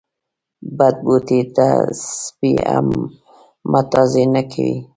بد بوټي ته سپي هم متازې نه کوي.